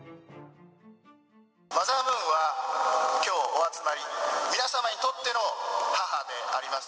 マザームーンはきょうお集まりの皆様にとっての母であります。